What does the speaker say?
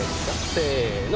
せの。